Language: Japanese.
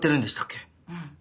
うん。